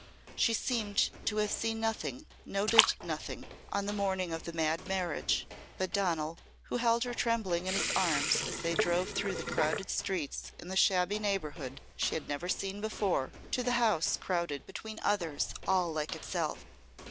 She seemed to have seen nothing, noted nothing, on the morning of the mad marriage, but Donal, who held her trembling in his arms as they drove through the crowded streets in the shabby neighbourhood she had never seen before, to the house crowded between others all like itself.